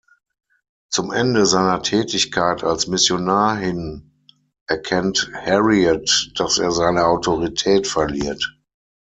Zum Ende seiner Tätigkeit als Missionar hin erkennt Heriot, dass er seine Autorität verliert.